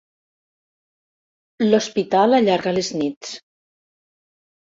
L'hospital allarga les nits.